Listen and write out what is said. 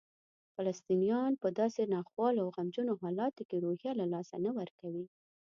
فلسطینیان په داسې ناخوالو او غمجنو حالاتو کې روحیه له لاسه نه ورکوي.